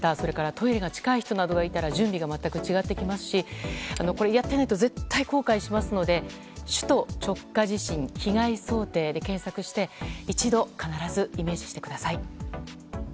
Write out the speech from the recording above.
トイレが近い人などがいたら準備が全く違ってきますしやっていないと絶対後悔しますので「首都直下地震被害想定」で検索して一度、必ずイメージしてください。